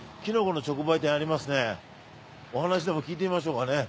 お話でも聞いてみましょうかね。